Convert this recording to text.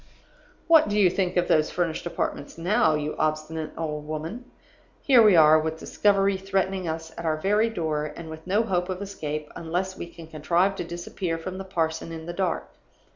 "What do you think of those furnished apartments now, you obstinate old woman? Here we are, with discovery threatening us at our very door, and with no hope of escape unless we can contrive to disappear from the parson in the dark.